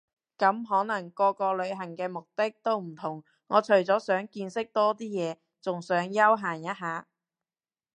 咁可能個個旅行嘅目的都唔同我除咗想見識多啲嘢，仲想休閒一下